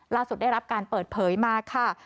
ได้รับการเปิดเผยมาค่ะ